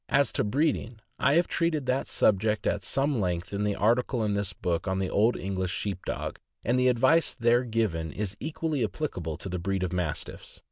As to breeding, I have treated that subject at some length in the article in this book on the Old English Sheep Dog, and the advice there given is equally applicable to the breeding of Mastiffs.